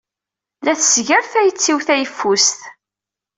La tesgar tayet-iw tayeffust.